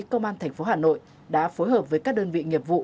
công an tp hà nội đã phối hợp với các đơn vị nghiệp vụ